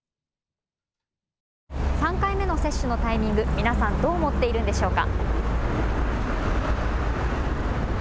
３回目の接種のタイミング、皆さん、どう思っているんでしょうか。